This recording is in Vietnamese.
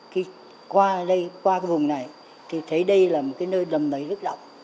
khi qua đây qua cái vùng này thì thấy đây là một cái nơi đầm đầy rứt động